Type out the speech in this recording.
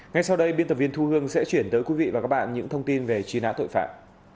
ngay sau đây biên tập viên thu hương sẽ chuyển tới quý vị và các bạn những thông tin về truy nã tội phạm